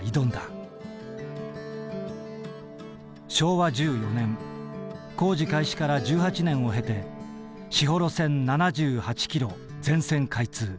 昭和１４年工事開始から１８年を経て士幌線７８キロ全線開通。